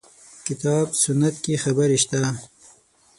کتاب سنت کې خبرې شته.